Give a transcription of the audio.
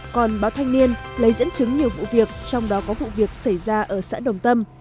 còn báo thanh niên lấy dẫn chứng nhiều vụ việc trong đó có vụ việc xảy ra ở xã đồng tâm